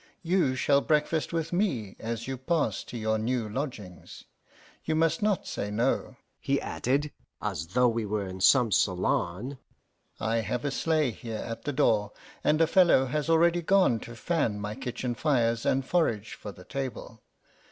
You shall breakfast with me, as you pass to your new lodgings. You must not say no," he added, as though we were in some salon. "I have a sleigh here at the door, and a fellow has already gone to fan my kitchen fires and forage for the table.